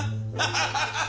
ハハハハッ！